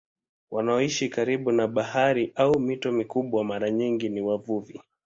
Wanaoishi karibu na bahari au mito mikubwa mara nyingi ni wavuvi.